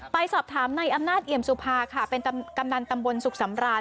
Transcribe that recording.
ไปสอบถามในอำนาจเอี่ยมสุภาค่ะเป็นกำนันตำบลสุขสำราญ